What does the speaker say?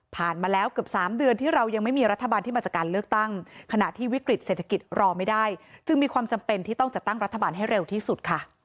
มาแล้วเกือบ๓เดือนที่เรายังไม่มีรัฐบาลที่มาจากการเลือกตั้งขณะที่วิกฤตเศรษฐกิจรอไม่ได้จึงมีความจำเป็นที่ต้องจัดตั้งรัฐบาลให้เร็วที่สุดค่ะ